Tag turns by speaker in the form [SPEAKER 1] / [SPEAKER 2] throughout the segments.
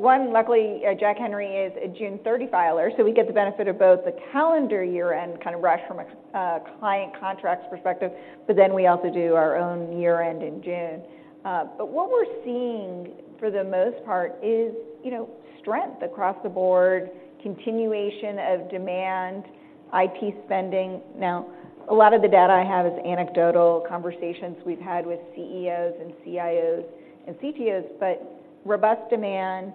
[SPEAKER 1] Luckily, Jack Henry is a June 30 filer, so we get the benefit of both the calendar year-end kind of rush from a client contracts perspective, but then we also do our own year-end in June. But what we're seeing for the most part is, you know, strength across the board, continuation of demand, IT spending. Now, a lot of the data I have is anecdotal conversations we've had with CEOs and CIOs and CTOs, but robust demand.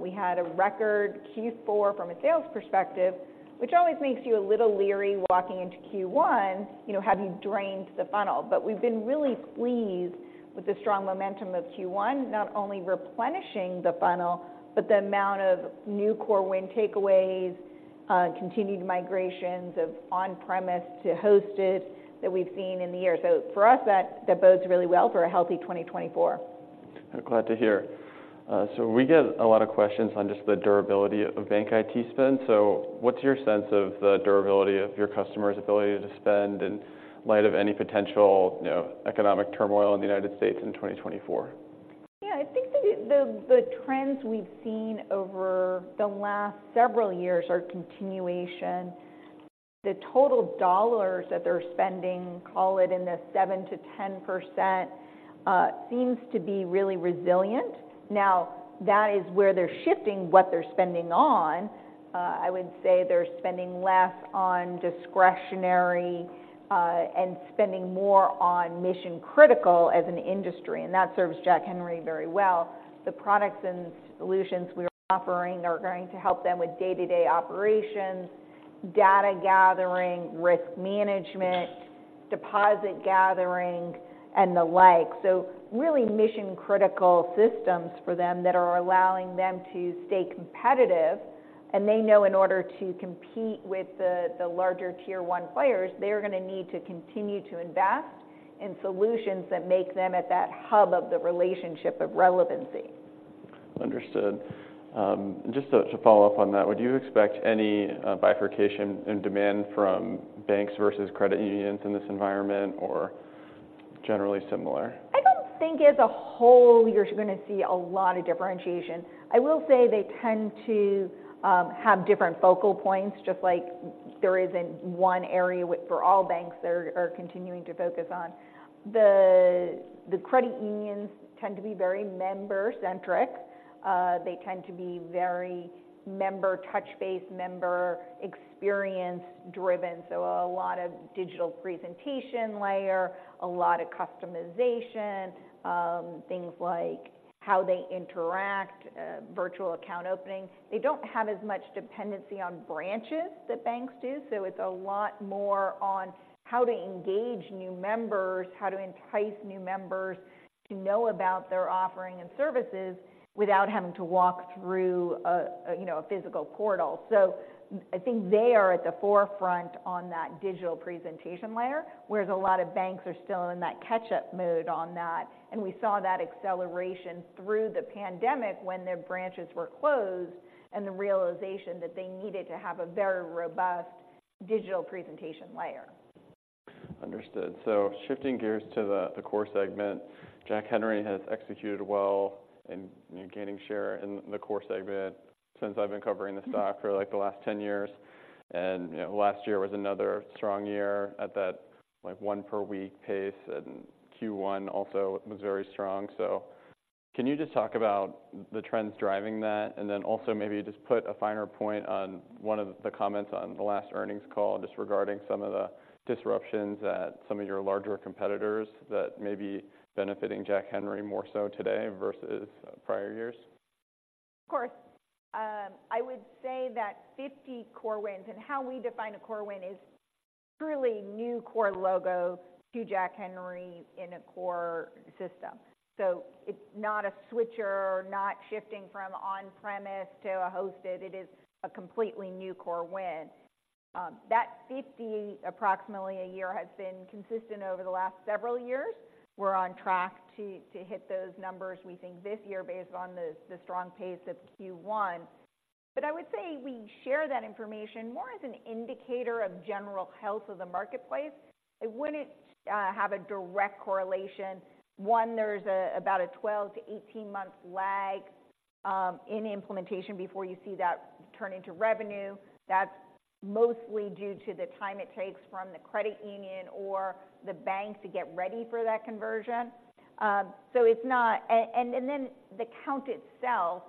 [SPEAKER 1] We had a record Q4 from a sales perspective, which always makes you a little leery walking into Q1. You know, have you drained the funnel? But we've been really pleased with the strong momentum of Q1, not only replenishing the funnel, but the amount of new core win takeaways, continued migrations of on-premise to hosted that we've seen in the year. So for us, that bodes really well for a healthy 2024.
[SPEAKER 2] Glad to hear. So we get a lot of questions on just the durability of bank IT spend. So what's your sense of the durability of your customers' ability to spend in light of any potential, you know, economic turmoil in the United States in 2024?
[SPEAKER 1] Yeah, I think the trends we've seen over the last several years are continuation. The total dollars that they're spending, call it in the 7%-10%, seems to be really resilient. Now, that is where they're shifting what they're spending on. I would say they're spending less on discretionary, and spending more on mission-critical as an industry, and that serves Jack Henry very well. The products and solutions we are offering are going to help them with day-to-day operations, data gathering, risk management, deposit gathering, and the like. So really mission-critical systems for them that are allowing them to stay competitive, and they know in order to compete with the larger tier one players, they are gonna need to continue to invest in solutions that make them at that hub of the relationship of relevancy.
[SPEAKER 2] Understood. Just to follow up on that, would you expect any bifurcation in demand from banks versus credit unions in this environment or generally similar?
[SPEAKER 1] I don't think as a whole, you're gonna see a lot of differentiation. I will say they tend to have different focal points, just like there isn't one area for all banks they are continuing to focus on. The credit unions tend to be very member-centric. They tend to be very member touch-base, member experience-driven, so a lot of digital presentation layer, a lot of customization, things like how they interact, virtual account opening. They don't have as much dependency on branches that banks do, so it's a lot more on how to engage new members, how to entice new members to know about their offering and services without having to walk through a, a, you know, a physical portal. I think they are at the forefront on that digital presentation layer, whereas a lot of banks are still in that catch-up mode on that. We saw that acceleration through the pandemic when their branches were closed and the realization that they needed to have a very robust digital presentation layer.
[SPEAKER 2] Understood. So shifting gears to the core segment, Jack Henry has executed well in gaining share in the core segment since I've been covering the stock for, like, the last 10 years. And, you know, last year was another strong year at that, like, one per week pace, and Q1 also was very strong. So can you just talk about the trends driving that? And then also maybe just put a finer point on one of the comments on the last earnings call, just regarding some of the disruptions at some of your larger competitors that may be benefiting Jack Henry more so today versus prior years.
[SPEAKER 1] Of course. I would say that 50 core wins, and how we define a core win is truly new core logo to Jack Henry in a core system. So it's not a switcher, not shifting from on-premise to a hosted. It is a completely new core win. That 50 approximately a year has been consistent over the last several years. We're on track to hit those numbers, we think, this year based on the strong pace of Q1. But I would say we share that information more as an indicator of general health of the marketplace. It wouldn't have a direct correlation. One, there's a about a 12-18-month lag in implementation before you see that turn into revenue. That's mostly due to the time it takes from the credit union or the bank to get ready for that conversion. So it's not. And then the count itself,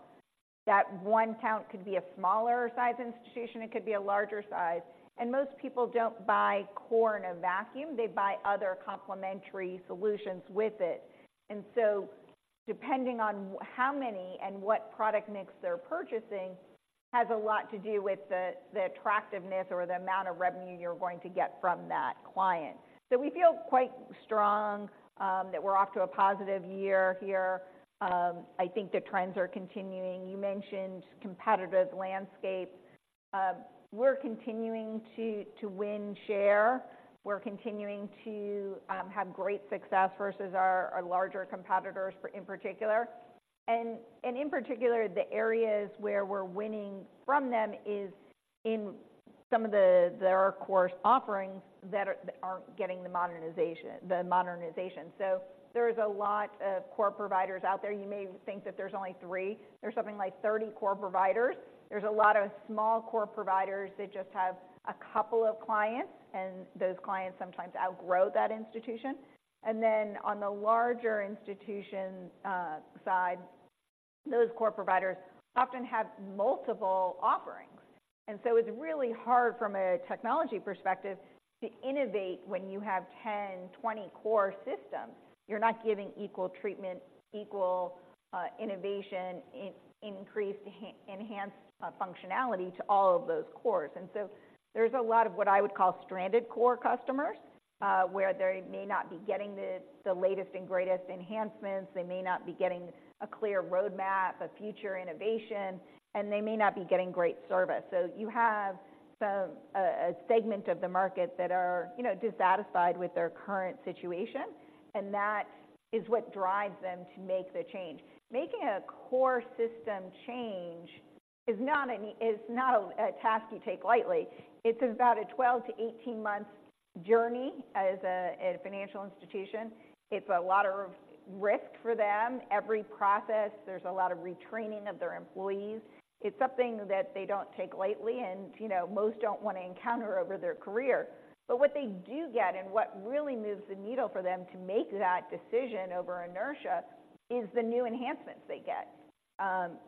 [SPEAKER 1] that one count could be a smaller size institution, it could be a larger size. Most people don't buy core in a vacuum, they buy other complementary solutions with it. And so depending on how many and what product mix they're purchasing, has a lot to do with the, the attractiveness or the amount of revenue you're going to get from that client. So we feel quite strong that we're off to a positive year here. I think the trends are continuing. You mentioned competitive landscape. We're continuing to win share. We're continuing to have great success versus our larger competitors in particular. And in particular, the areas where we're winning from them is in-... There are core offerings that aren't getting the modernization. So there's a lot of core providers out there. You may think that there's only three. There's something like 30 core providers. There's a lot of small core providers that just have a couple of clients, and those clients sometimes outgrow that institution. And then on the larger institution side, those core providers often have multiple offerings. And so it's really hard from a technology perspective to innovate when you have 10, 20 core systems. You're not giving equal treatment, equal innovation, increased, enhanced functionality to all of those cores. And so there's a lot of what I would call stranded core customers, where they may not be getting the latest and greatest enhancements. They may not be getting a clear roadmap of future innovation, and they may not be getting great service. So you have some—a segment of the market that are, you know, dissatisfied with their current situation, and that is what drives them to make the change. Making a core system change is not any—is not a task you take lightly. It's about a 12- to 18-month journey as a financial institution. It's a lot of risk for them. Every process, there's a lot of retraining of their employees. It's something that they don't take lightly and, you know, most don't want to encounter over their career. But what they do get and what really moves the needle for them to make that decision over inertia is the new enhancements they get.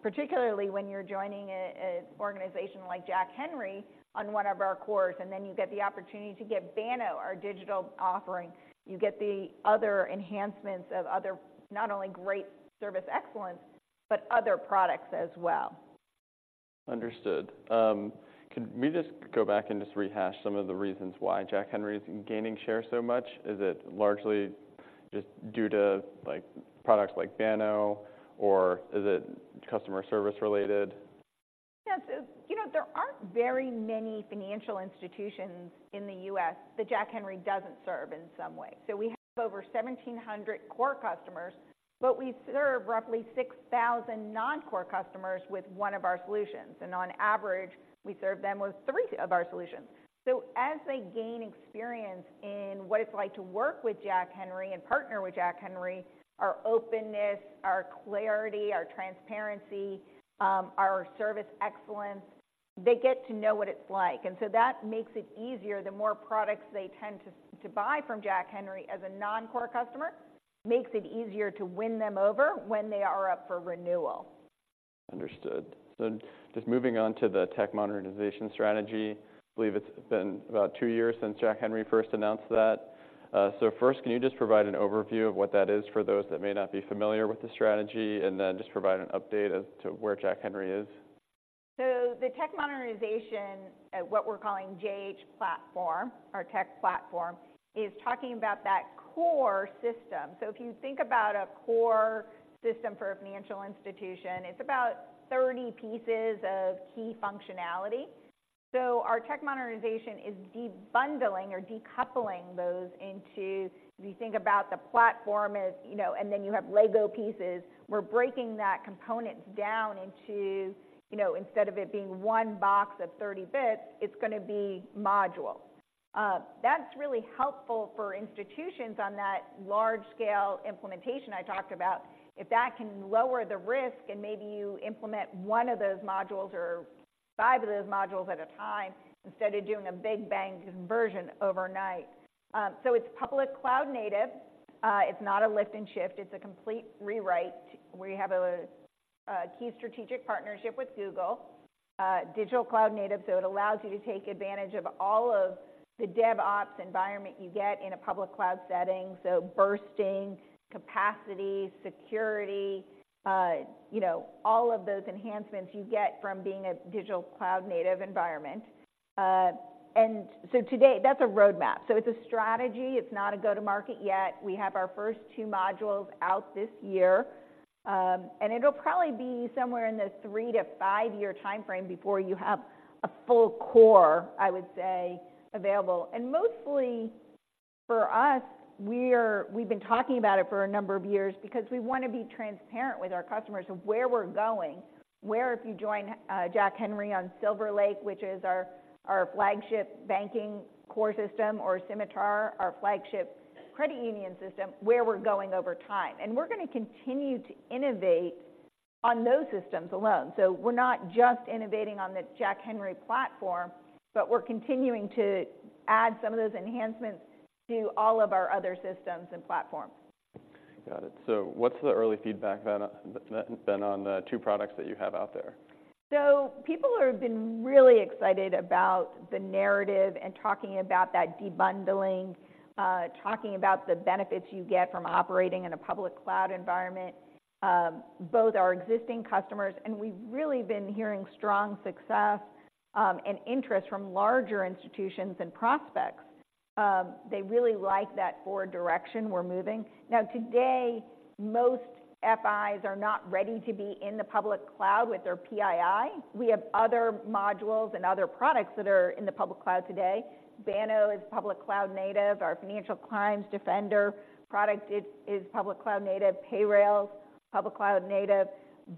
[SPEAKER 1] Particularly when you're joining a organization like Jack Henry on one of our cores, and then you get the opportunity to get Banno, our digital offering. You get the other enhancements of other... not only great service excellence, but other products as well.
[SPEAKER 2] Understood. Could we just go back and just rehash some of the reasons why Jack Henry is gaining share so much? Is it largely just due to, like, products like Banno, or is it customer service related?
[SPEAKER 1] Yes, it's. You know, there aren't very many financial institutions in the U.S. that Jack Henry doesn't serve in some way. So we have over 1,700 core customers, but we serve roughly 6,000 non-core customers with one of our solutions, and on average, we serve them with three of our solutions. So as they gain experience in what it's like to work with Jack Henry and partner with Jack Henry, our openness, our clarity, our transparency, our service excellence, they get to know what it's like, and so that makes it easier. The more products they tend to buy from Jack Henry as a non-core customer makes it easier to win them over when they are up for renewal.
[SPEAKER 2] Understood. Just moving on to the tech modernization strategy, I believe it's been about two years since Jack Henry first announced that. First, can you just provide an overview of what that is for those that may not be familiar with the strategy, and then just provide an update as to where Jack Henry is?
[SPEAKER 1] So the tech modernization, what we're calling JH Platform, our tech platform, is talking about that core system. So if you think about a core system for a financial institution, it's about 30 pieces of key functionality. So our tech modernization is debundling or decoupling those into... If you think about the platform as, you know, and then you have Lego pieces, we're breaking that component down into, you know, instead of it being one box of 30 bits, it's gonna be modules. That's really helpful for institutions on that large-scale implementation I talked about. If that can lower the risk and maybe you implement one of those modules or five of those modules at a time instead of doing a big bang conversion overnight. So it's public cloud native. It's not a lift and shift. It's a complete rewrite. We have a key strategic partnership with Google. Digital cloud native, so it allows you to take advantage of all of the DevOps environment you get in a public cloud setting, so bursting capacity, security, you know, all of those enhancements you get from being a digital cloud-native environment. And so today, that's a roadmap. So it's a strategy. It's not a go-to-market yet. We have our first two modules out this year, and it'll probably be somewhere in the three to five-year timeframe before you have a full core, I would say, available. Mostly for us, we've been talking about it for a number of years because we want to be transparent with our customers of where we're going, where if you join Jack Henry on SilverLake, which is our flagship banking core system or Symitar, our flagship credit union system, where we're going over time. We're gonna continue to innovate on those systems alone. We're not just innovating on the Jack Henry Platform, but we're continuing to add some of those enhancements to all of our other systems and platforms.
[SPEAKER 2] Got it. So what's the early feedback that's been on the two products that you have out there?
[SPEAKER 1] So people have been really excited about the narrative and talking about that debundling, talking about the benefits you get from operating in a public cloud environment, both our existing customers, and we've really been hearing strong success, and interest from larger institutions and prospects. They really like that core direction we're moving. Now, today, most FIs are not ready to be in the public cloud with their PII. We have other modules and other products that are in the public cloud today. Banno is public cloud native. Our Financial Crimes Defender product is public cloud native, Payrailz is public cloud native...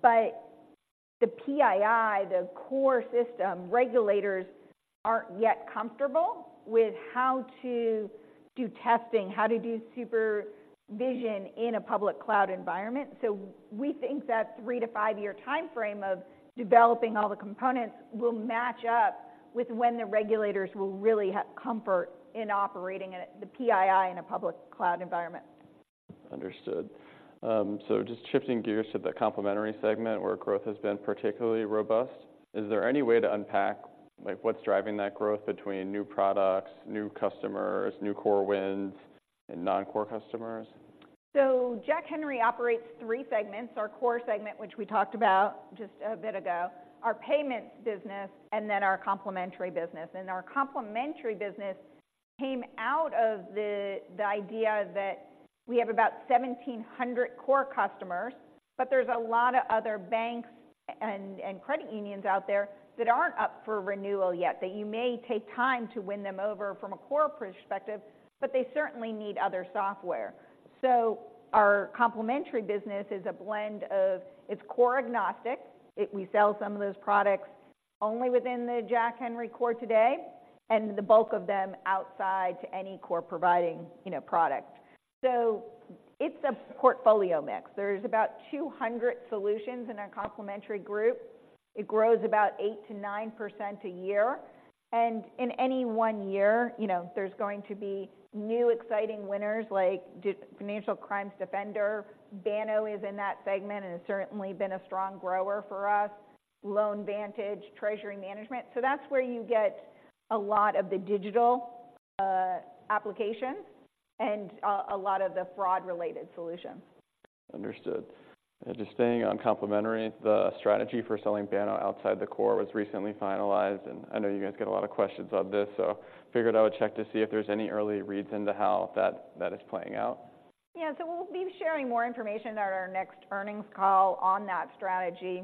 [SPEAKER 1] but the PII, the core system regulators, aren't yet comfortable with how to do testing, how to do supervision in a public cloud environment. We think that three to five-year timeframe of developing all the components will match up with when the regulators will really have comfort in operating at the PII in a public cloud environment.
[SPEAKER 2] Understood. So just shifting gears to the complementary segment, where growth has been particularly robust, is there any way to unpack, like, what's driving that growth between new products, new customers, new core wins, and non-core customers?
[SPEAKER 1] So Jack Henry operates three segments: our core segment, which we talked about just a bit ago, our payments business, and then our complementary business. Our complementary business came out of the idea that we have about 1,700 core customers, but there's a lot of other banks and credit unions out there that aren't up for renewal yet, that you may take time to win them over from a core perspective, but they certainly need other software. So our complementary business is a blend of... It's core agnostic. We sell some of those products only within the Jack Henry core today, and the bulk of them outside to any core providing, you know, product. So it's a portfolio mix. There's about 200 solutions in our complementary group. It grows about 8%-9% a year, and in any one year, you know, there's going to be new exciting winners like J- Financial Crimes Defender. Banno is in that segment and has certainly been a strong grower for us. LoanVantage, Treasury Management. So that's where you get a lot of the digital applications and a lot of the fraud-related solutions.
[SPEAKER 2] Understood. Just staying on complementary, the strategy for selling Banno outside the core was recently finalized, and I know you guys get a lot of questions on this, so figured I would check to see if there's any early reads into how that, that is playing out.
[SPEAKER 1] Yeah. So we'll be sharing more information at our next earnings call on that strategy.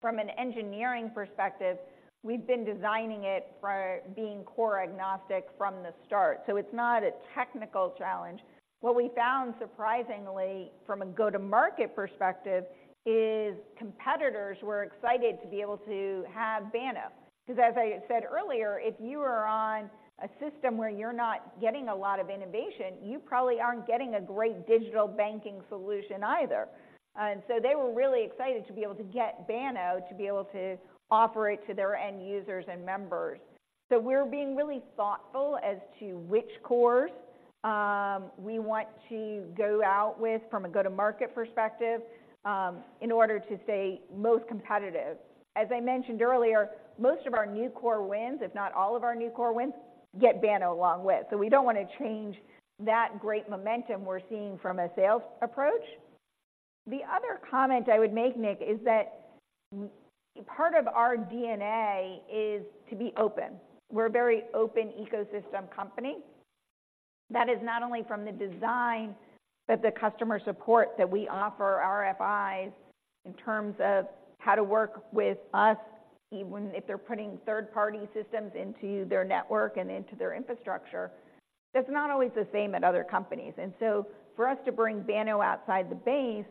[SPEAKER 1] From an engineering perspective, we've been designing it for being core agnostic from the start, so it's not a technical challenge. What we found, surprisingly, from a go-to-market perspective, is competitors were excited to be able to have Banno. Because, as I said earlier, if you are on a system where you're not getting a lot of innovation, you probably aren't getting a great digital banking solution either. And so they were really excited to be able to get Banno, to be able to offer it to their end users and members. So we're being really thoughtful as to which cores, we want to go out with from a go-to-market perspective, in order to stay most competitive. As I mentioned earlier, most of our new core wins, if not all of our new core wins, get Banno along with. So we don't want to change that great momentum we're seeing from a sales approach. The other comment I would make, Nik, is that part of our DNA is to be open. We're a very open ecosystem company. That is not only from the design, but the customer support that we offer RFIs in terms of how to work with us, even if they're putting third-party systems into their network and into their infrastructure. That's not always the same at other companies. And so for us to bring Banno outside the base,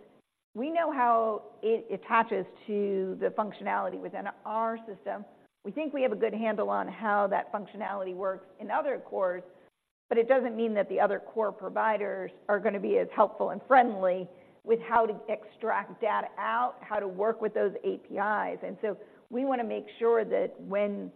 [SPEAKER 1] we know how it attaches to the functionality within our system. We think we have a good handle on how that functionality works in other cores, but it doesn't mean that the other core providers are gonna be as helpful and friendly with how to extract data out, how to work with those APIs. And so we want to make sure that when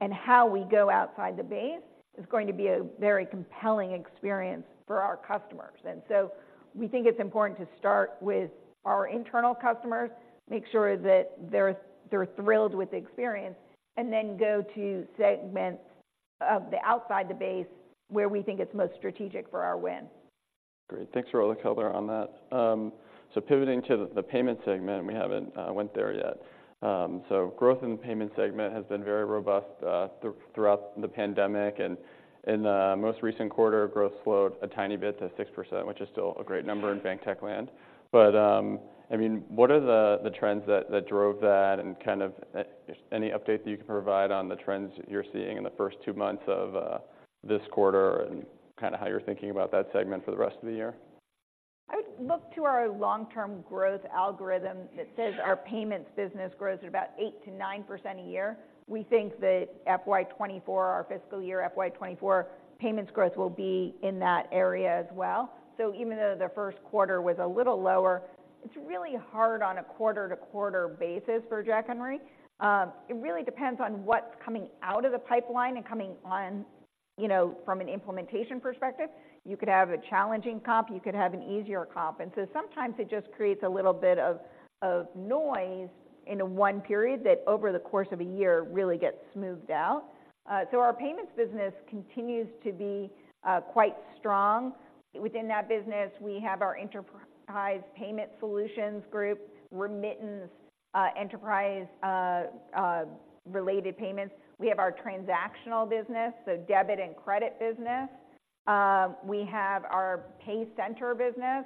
[SPEAKER 1] and how we go outside the base is going to be a very compelling experience for our customers. And so we think it's important to start with our internal customers, make sure that they're thrilled with the experience, and then go to segments of the outside the base where we think it's most strategic for our win.
[SPEAKER 2] Great. Thanks for all the color on that. So pivoting to the payments segment, we haven't went there yet. So growth in the payments segment has been very robust throughout the pandemic, and in the most recent quarter, growth slowed a tiny bit to 6%, which is still a great number in bank tech land. But I mean, what are the trends that drove that, and kind of any update that you can provide on the trends that you're seeing in the first two months of this quarter, and kind of how you're thinking about that segment for the rest of the year?
[SPEAKER 1] I would look to our long-term growth algorithm that says our payments business grows at about 8%-9% a year. We think that FY 2024, our fiscal year FY 2024, payments growth will be in that area as well. So even though the first quarter was a little lower, it's really hard on a quarter-to-quarter basis for Jack Henry. It really depends on what's coming out of the pipeline and coming on, you know, from an implementation perspective. You could have a challenging comp, you could have an easier comp. And so sometimes it just creates a little bit of noise in one period that, over the course of a year, really gets smoothed out. So our payments business continues to be quite strong. Within that business, we have our Enterprise Payment Solutions group, remittance, enterprise related payments. We have our transactional business, so debit and credit business. We have our PayCenter business,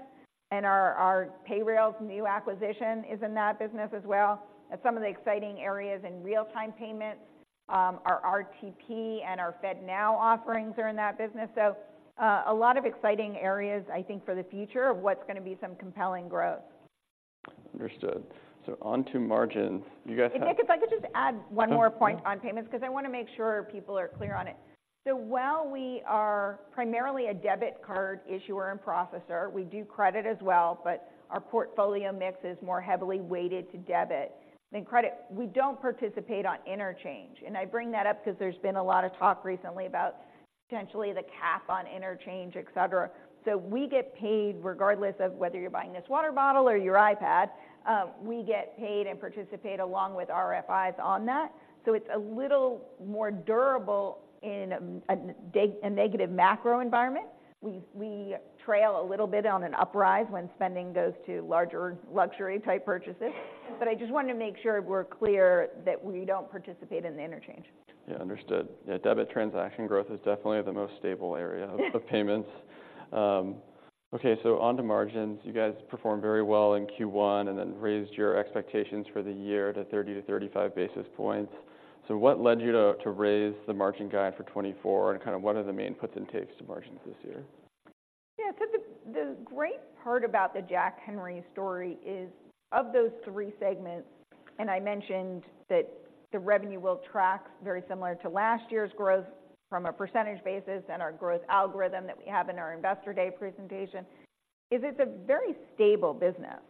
[SPEAKER 1] and our Payrailz new acquisition is in that business as well. Some of the exciting areas in real-time payments... our RTP and our FedNow offerings are in that business. So, a lot of exciting areas, I think, for the future of what's going to be some compelling growth.
[SPEAKER 2] Understood. So on to margin. You guys have-
[SPEAKER 1] If I could just add one more point-
[SPEAKER 2] Sure...
[SPEAKER 1] on payments, because I want to make sure people are clear on it. So while we are primarily a debit card issuer and processor, we do credit as well, but our portfolio mix is more heavily weighted to debit than credit. We don't participate on interchange, and I bring that up because there's been a lot of talk recently about potentially the cap on interchange, et cetera. So we get paid regardless of whether you're buying this water bottle or your iPad. We get paid and participate along with RFIs on that. So it's a little more durable in a negative macro environment. We trail a little bit on an uprise when spending goes to larger luxury-type purchases. But I just wanted to make sure we're clear that we don't participate in the interchange.
[SPEAKER 2] Yeah, understood. Yeah, debit transaction growth is definitely the most stable area of payments. Okay, so on to margins. You guys performed very well in Q1 and then raised your expectations for the year to 30-35 basis points. So what led you to raise the margin guide for 2024, and kind of what are the main puts and takes to margins this year?
[SPEAKER 1] Yeah, so the great part about the Jack Henry story is, of those three segments, and I mentioned that the revenue will track very similar to last year's growth from a percentage basis and our growth algorithm that we have in our Investor Day presentation, is it's a very stable business.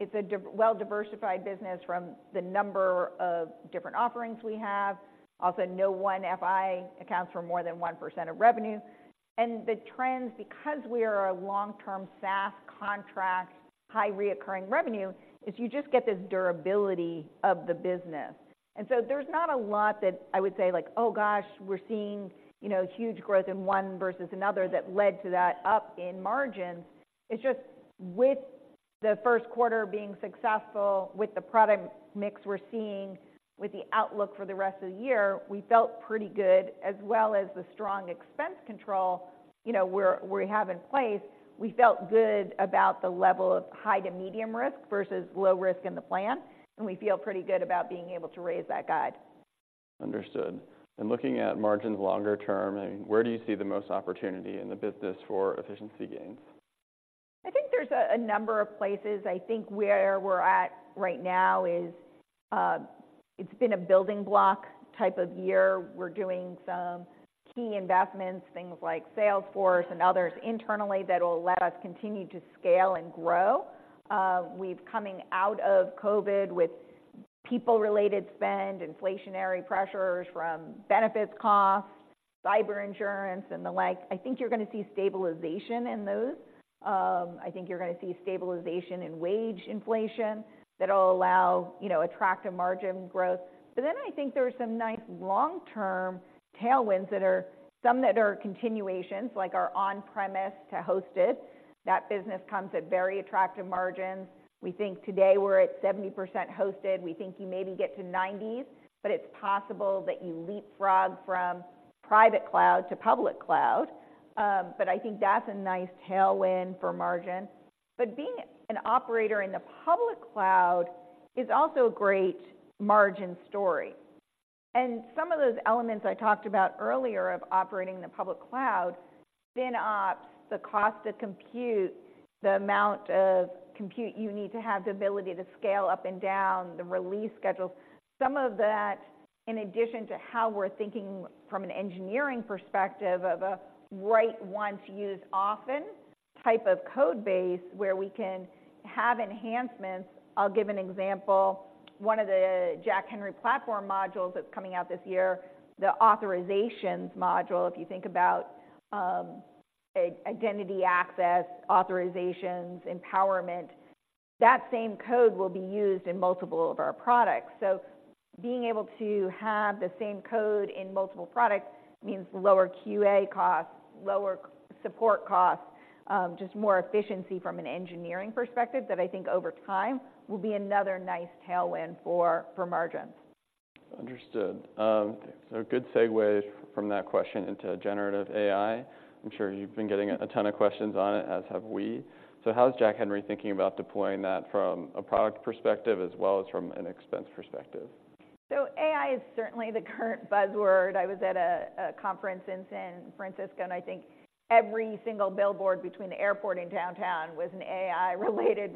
[SPEAKER 1] It's a well-diversified business from the number of different offerings we have. Also, no one FI accounts for more than 1% of revenue. And the trends, because we are a long-term SaaS contract, high recurring revenue, is you just get this durability of the business. And so there's not a lot that I would say, like: "Oh, gosh, we're seeing, you know, huge growth in one versus another," that led to that up in margins. It's just with the first quarter being successful, with the product mix we're seeing, with the outlook for the rest of the year, we felt pretty good, as well as the strong expense control, you know, we have in place. We felt good about the level of high to medium risk versus low risk in the plan, and we feel pretty good about being able to raise that guide.
[SPEAKER 2] Understood. Looking at margins longer term, I mean, where do you see the most opportunity in the business for efficiency gains?
[SPEAKER 1] I think there's a number of places. I think where we're at right now is, it's been a building block type of year. We're doing some key investments, things like Salesforce and others internally, that will let us continue to scale and grow. We've coming out of COVID with people-related spend, inflationary pressures from benefits costs, cyber insurance, and the like. I think you're going to see stabilization in those. I think you're going to see stabilization in wage inflation that'll allow, you know, attractive margin growth. But then I think there are some nice long-term tailwinds that are... Some that are continuations, like our on-premise to hosted. That business comes at very attractive margins. We think today we're at 70% hosted. We think you maybe get to 90s, but it's possible that you leapfrog from private cloud to public cloud. But I think that's a nice tailwind for margin. But being an operator in the public cloud is also a great margin story. And some of those elements I talked about earlier of operating in the public cloud, FinOps, the cost to compute, the amount of compute you need to have the ability to scale up and down, the release schedules. Some of that, in addition to how we're thinking from an engineering perspective of a write once, use often type of code base, where we can have enhancements. I'll give an example. One of the Jack Henry Platform modules that's coming out this year, the authorizations module, if you think about, a identity access, authorizations, empowerment, that same code will be used in multiple of our products. So being able to have the same code in multiple products means lower QA costs, lower support costs, just more efficiency from an engineering perspective that I think over time will be another nice tailwind for, for margins.
[SPEAKER 2] Understood. A good segue from that question into generative AI. I'm sure you've been getting a ton of questions on it, as have we. How is Jack Henry thinking about deploying that from a product perspective as well as from an expense perspective?
[SPEAKER 1] So AI is certainly the current buzzword. I was at a conference in San Francisco, and I think every single billboard between the airport and downtown was an AI-related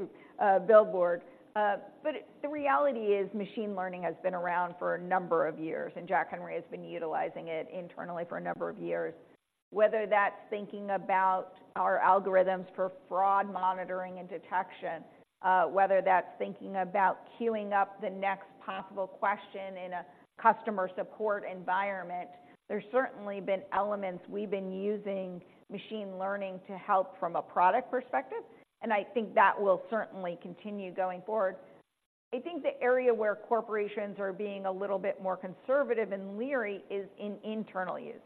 [SPEAKER 1] billboard. But the reality is, machine learning has been around for a number of years, and Jack Henry has been utilizing it internally for a number of years. Whether that's thinking about our algorithms for fraud monitoring and detection, whether that's thinking about queuing up the next possible question in a customer support environment, there's certainly been elements we've been using machine learning to help from a product perspective, and I think that will certainly continue going forward. I think the area where corporations are being a little bit more conservative and leery is in internal use.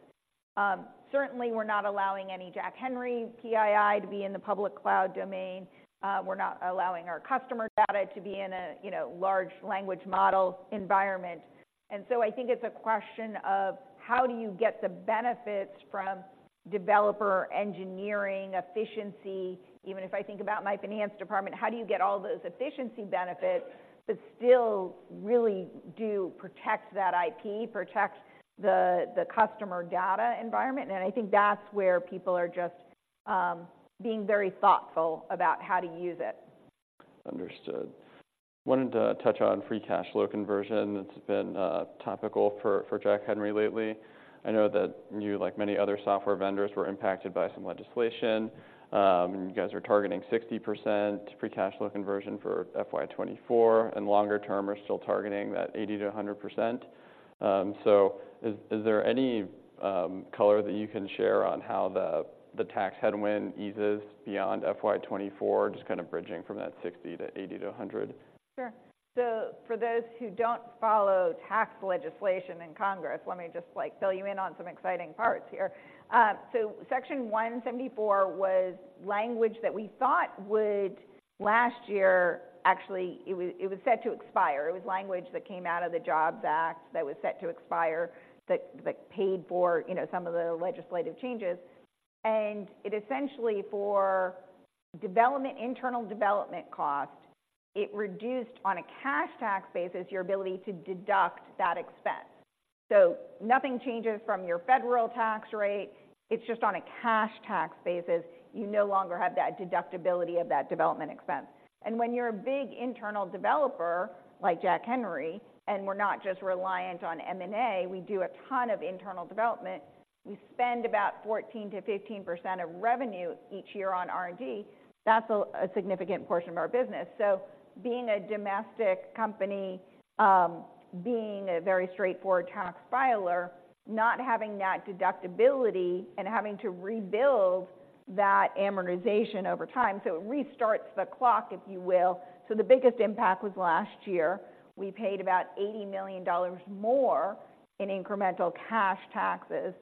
[SPEAKER 1] Certainly, we're not allowing any Jack Henry PII to be in the public cloud domain. We're not allowing our customer data to be in a, you know, large language model environment. And so I think it's a question of: how do you get the benefits from developer engineering efficiency? Even if I think about my finance department, how do you get all those efficiency benefits but still really do protect that IP, protect the, the customer data environment? And I think that's where people are just being very thoughtful about how to use it....
[SPEAKER 2] Understood. Wanted to touch on free cash flow conversion. It's been topical for Jack Henry lately. I know that you, like many other software vendors, were impacted by some legislation. You guys are targeting 60% free cash flow conversion for FY 2024, and longer term are still targeting that 80%-100%. So is there any color that you can share on how the tax headwind eases beyond FY 2024? Just kind of bridging from that 60% to 80% to 100%.
[SPEAKER 1] Sure. So for those who don't follow tax legislation in Congress, let me just, like, fill you in on some exciting parts here. So Section 174 was language that we thought would... Last year, actually, it was, it was set to expire. It was language that came out of the Jobs Act that was set to expire, that, that paid for, you know, some of the legislative changes. And it essentially for development, internal development costs, it reduced, on a cash tax basis, your ability to deduct that expense. So nothing changes from your federal tax rate. It's just on a cash tax basis, you no longer have that deductibility of that development expense. And when you're a big internal developer, like Jack Henry, and we're not just reliant on M&A, we do a ton of internal development. We spend about 14%-15% of revenue each year on R&D. That's a significant portion of our business. So being a domestic company, being a very straightforward tax filer, not having that deductibility and having to rebuild that amortization over time, so it restarts the clock, if you will. So the biggest impact was last year. We paid about $80 million more in incremental cash taxes.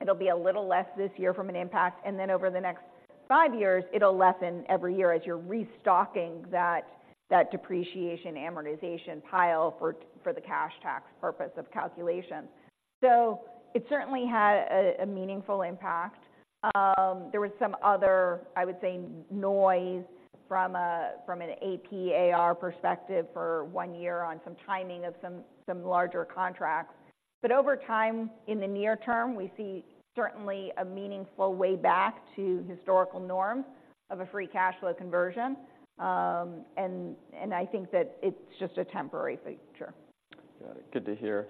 [SPEAKER 1] It'll be a little less this year from an impact, and then over the next five years, it'll lessen every year as you're restocking that depreciation, amortization pile for the cash tax purpose of calculation. So it certainly had a meaningful impact. There was some other, I would say, noise from a from an AP/AR perspective for one year on some timing of some larger contracts. But over time, in the near term, we see certainly a meaningful way back to historical norms of a Free Cash Flow Conversion, and I think that it's just a temporary feature.
[SPEAKER 2] Got it. Good to hear.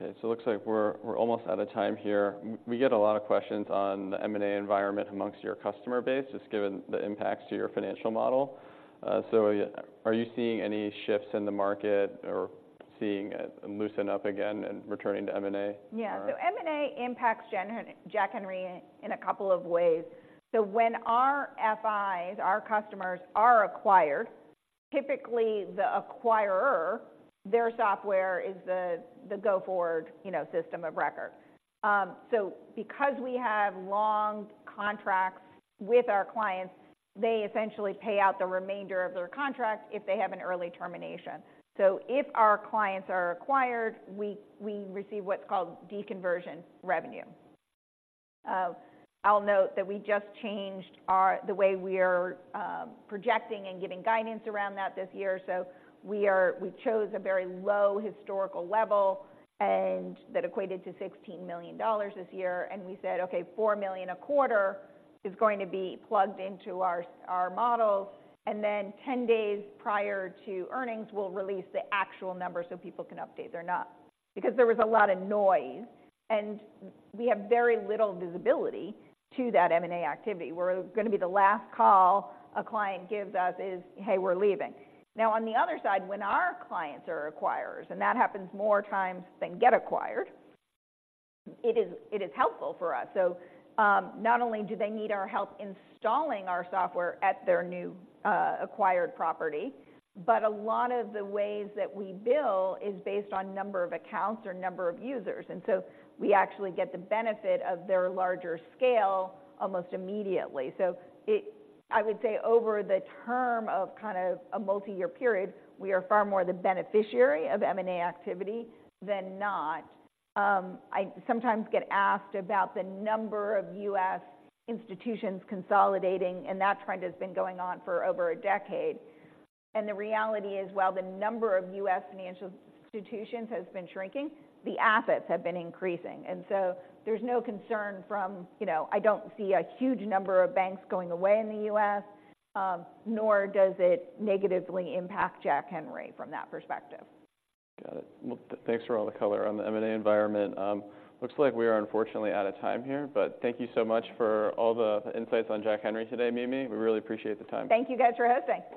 [SPEAKER 2] So it looks like we're almost out of time here. We get a lot of questions on the M&A environment among your customer base, just given the impacts to your financial model. So are you seeing any shifts in the market or seeing it loosen up again and returning to M&A?
[SPEAKER 1] Yeah.
[SPEAKER 2] All right.
[SPEAKER 1] So M&A impacts Jack Henry in a couple of ways. So when our FIs, our customers, are acquired, typically the acquirer, their software is the go-forward, you know, system of record. So because we have long contracts with our clients, they essentially pay out the remainder of their contract if they have an early termination. So if our clients are acquired, we receive what's called deconversion revenue. I'll note that we just changed the way we are projecting and giving guidance around that this year. So we are... We chose a very low historical level, and that equated to $16 million this year, and we said, "Okay, $4 million a quarter is going to be plugged into our, our models, and then 10 days prior to earnings, we'll release the actual number so people can update their models." Because there was a lot of noise, and we have very little visibility to that M&A activity. We're gonna be the last call a client gives us is, "Hey, we're leaving." Now, on the other side, when our clients are acquirers, and that happens more times than get acquired, it is, it is helpful for us. So, not only do they need our help installing our software at their new, acquired property, but a lot of the ways that we bill is based on number of accounts or number of users, and so we actually get the benefit of their larger scale almost immediately. So it-- I would say over the term of kind of a multi-year period, we are far more the beneficiary of M&A activity than not. I sometimes get asked about the number of U.S. institutions consolidating, and that trend has been going on for over a decade. And the reality is, while the number of U.S. financial institutions has been shrinking, the assets have been increasing, and so there's no concern from... You know, I don't see a huge number of banks going away in the U.S., nor does it negatively impact Jack Henry from that perspective.
[SPEAKER 2] Got it. Well, thanks for all the color on the M&A environment. Looks like we are unfortunately out of time here, but thank you so much for all the insights on Jack Henry today, Mimi. We really appreciate the time.
[SPEAKER 1] Thank you, guys, for hosting.